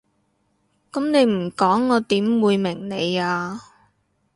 噉你唔講我點會明你啊？